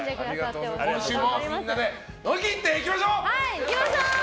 今週も、みんなで乗り切っていきましょう！